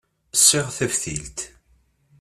Ssiɣ taftilt.